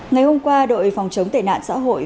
ngày hôm qua đội phòng chống tệ nạn xã hội